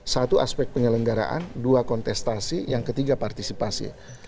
satu aspek penyelenggaraan dua kontestasi yang ketiga partisipasi